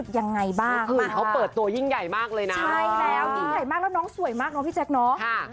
ยังไงบ้างคือเขาเปิดตัวยิ่งใหญ่มากเลยนะใช่แล้วยิ่งใหญ่มากแล้วน้องสวยมากเนาะพี่แจ๊คเนอะ